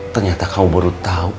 ternyata kamu baru tau